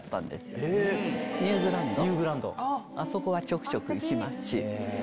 あそこはちょくちょく行きます。